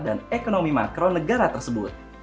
dan ekonomi makro negara tersebut